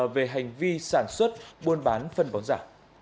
về hành vi sản xuất buôn bán phân bón giả